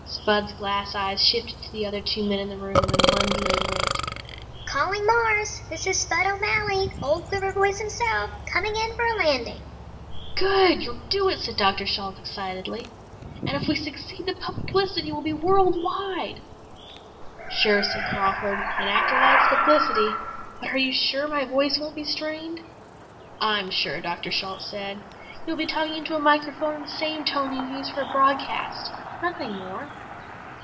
Spud's glass eyes shifted to the other two men in the room and one lid winked. "Calling Mars! This is Spud O'Malley, old quiver voice himself, coming in for a landing." "Good! You'll do it," said Dr. Shalt excitedly. "And if we succeed the publicity will be worldwide." "Sure," said Crawford. "An actor likes publicity. But are you sure my voice won't be strained?" "I'm sure," Dr. Shalt said. "You'll be talking into a microphone in the same tone you use for a broadcast. Nothing more."